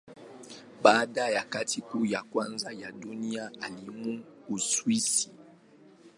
Baada ya Vita Kuu ya Kwanza ya Dunia alihamia Uswisi.